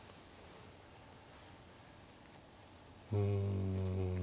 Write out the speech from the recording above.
うん。